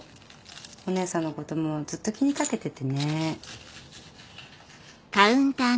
お姉さんのこともずっと気に掛けててね。